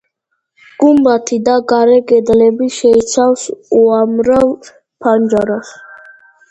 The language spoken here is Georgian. გუმბათი და გარე კედლები შეიცავს უამრავ ფანჯარას.